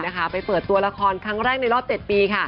ไปเปิดตัวละครครั้งแรกในรอบ๗ปีค่ะ